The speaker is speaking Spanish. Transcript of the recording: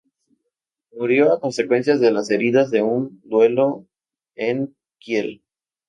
Murió a consecuencias de las heridas de un duelo en Kiel.